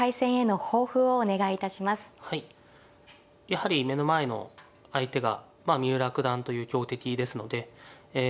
やはり目の前の相手が三浦九段という強敵ですのでええ